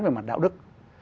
về mặt đạo đức